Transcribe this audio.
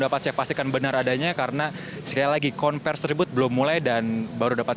dapat saya pastikan benar adanya karena sekali lagi konversi tersebut belum mulai dan baru dapat